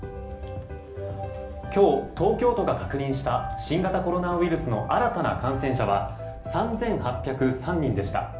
今日、東京都が確認した新型コロナウイルスの新たな感染者は３８０３人でした。